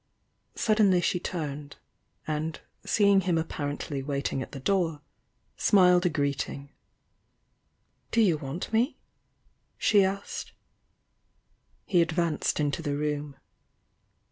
Suddenly she turned, and seeing him apparently waiting at the door, smiled a greeting. "Do you want me?" she asked. He advanced into the room.